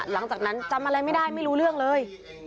หลังจากนั้นจำอะไรไม่ได้ไม่รู้เรื่องเลย